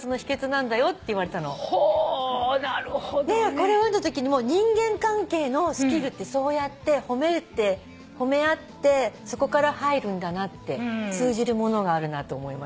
これ読んだときにも人間関係のスキルってそうやって褒め合ってそこから入るんだなって通じるものがあるなと思いました。